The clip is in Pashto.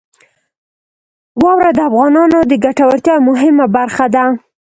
واوره د افغانانو د ګټورتیا یوه مهمه برخه ده.